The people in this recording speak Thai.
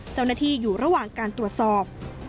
เจ้าหน้าที่อยู่ระหว่างการตรวจสอบ